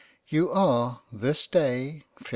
You are this day 55.